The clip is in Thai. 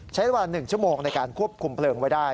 ใช้เวลา๑ชั่วโมงในการควบคุมเพลิงไว้ได้